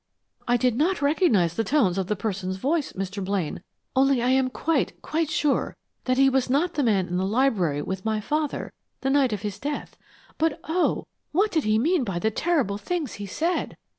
"I did not recognize the tones of the person's voice, Mr. Blaine, only I am quite, quite sure that he was not the man in the library with my father the night of his death. But oh, what did he mean by the terrible things he said?